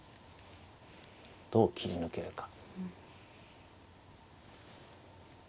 どう切り抜けるか。